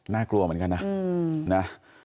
น่ากลัวเหมือนกันนะ